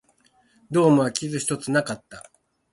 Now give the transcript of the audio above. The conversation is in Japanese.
ドームは傷一つなかった